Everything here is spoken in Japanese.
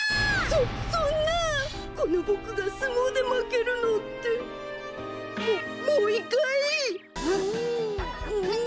そそんなこのボクがすもうでまけるなんて。ももういっかい！